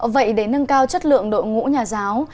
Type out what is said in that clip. vậy để nâng cao chất lượng đội ngũ nhà giáo